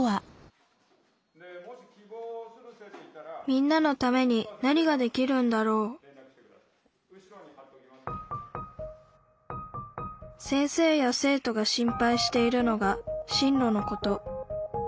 みんなのために何ができるんだろう先生や生徒が心配しているのが進路のこと。